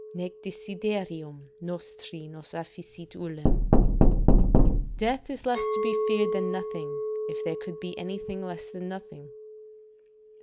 .................................................. "'Nec desiderium nostri nos afficit ullum.' "Death is less to be feared than nothing, if there could be anything less than nothing.